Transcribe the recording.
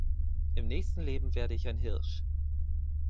Im nächsten Leben werde ich ein Hirsch.